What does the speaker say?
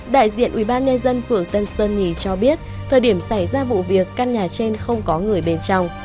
đại diện ubnd phường tân sơn nhì cho biết thời điểm xảy ra vụ việc căn nhà trên không có người bên trong